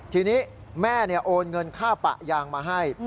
ทีนี้แม่โอนเงินค่าปะยางมาให้